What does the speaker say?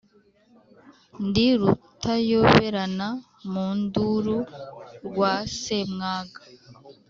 Ndi Rutayoberana mu nduru rwa Semwaga,